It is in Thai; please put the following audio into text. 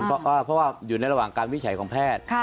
เพราะว่าอยู่ในระหว่างการวิจัยของแพทย์